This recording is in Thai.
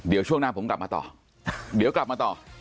เดี๋ยวช่วงหน้าผมกลับมาต่อเดี๋ยวกลับมาต่อ